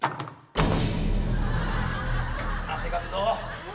汗かくぞ！